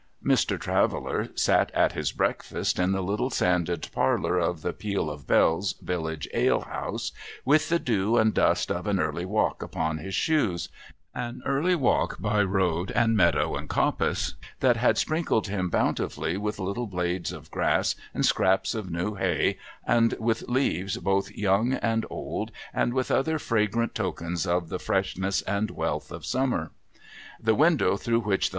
Mr. Traveller sat at his breakfast in the little sanded parlour of the Peal of Bells village alehouse, with the dew and dust of an early walk upon his shoes — an early walk by road and meadow and coppice, that had sprinkled him bountifully with little blades of grass, and scraps of new hay, and with leaves both young and old, and with other such fragrant tokens of the freshness and wealth of summer. The window through which the.